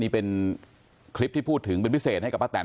นี่เป็นคลิปที่พูดถึงเป็นพิเศษให้กับป้าแตน